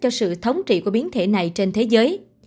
cho sự thống trị của biến thể này trên thế giới